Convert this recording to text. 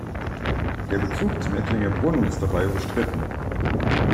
Der Bezug zum Ettlinger Brunnen ist dabei umstritten.